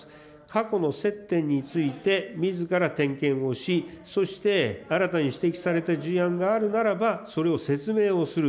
過去の接点について、みずから点検をし、そして新たに指摘された事案があるならば、それを説明をする。